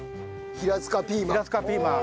平塚ピーマン。